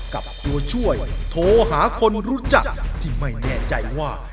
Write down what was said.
กับตัวช่วยโทรหาคนรู้จักที่ไม่แน่ใจว่า